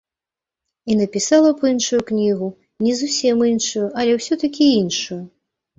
І напісала б іншую кнігу, не зусім іншую, але ўсё-такі іншую.